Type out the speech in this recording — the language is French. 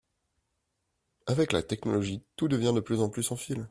Avec la technologie tout devient de plus en plus sans fil